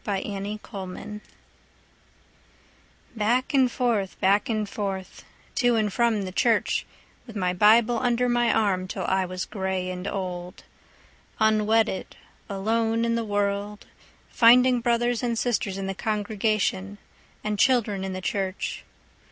Lydia Humphrey Back and forth, back and forth, to and from the church, With my Bible under my arm 'Till I was gray and old; Unwedded, alone in the world, Finding brothers and sisters in the congregation, And children in the church.